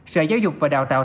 sở giáo dục và đào tạo